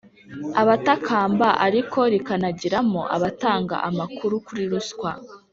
Abatakamba ariko rikanagiramo abatanga amakuru kuri ruswa